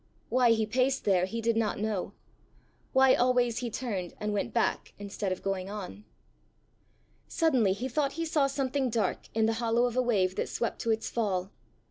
Why he paced there he did not know why always he turned and went back instead of going on. Suddenly he thought he saw something dark in the hollow of a wave that swept to its fall.